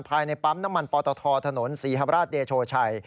ภายในปั๊มน้ำมันปตทถนนศรีฮราชเดโชชัย